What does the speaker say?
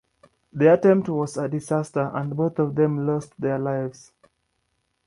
The attempt was a disaster, and both of them lost their lives.